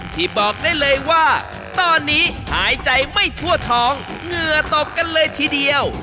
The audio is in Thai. ที่บอกได้เลยว่าตอนนี้หายใจไม่ทั่วท้องเหงื่อตกกันเลยทีเดียว